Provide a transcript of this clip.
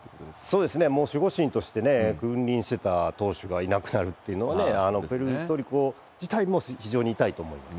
そうですね、守護神として君臨してた投手がいなくなるっていうのはね、プエルトリコ自体も非常に痛いと思います。